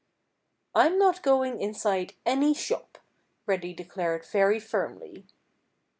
"I'm not going inside any shop," Reddy declared very firmly.